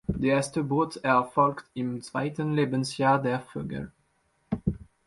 Die erste Brut erfolgt im zweiten Lebensjahr der Vögel.